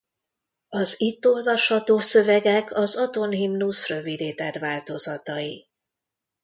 Az itt olvasható szövegek az Aton-himnusz rövidített változatai.